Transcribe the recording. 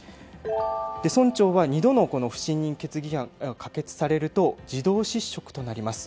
村長は２度の不信任決議案が可決されると自動失職となります。